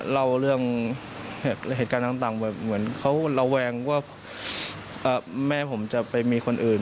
เล่าเรื่องเหตุการณ์ต่างแบบเหมือนเขาระแวงว่าแม่ผมจะไปมีคนอื่น